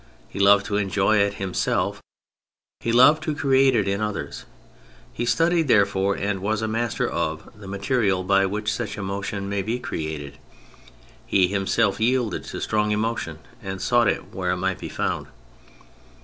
He loved to enjoy it himself, he loved to create it in others. He studied, therefore, and was a master of, the material by which such emotion may be created ; he himself yielded to strong emotion and sought it where it might be found.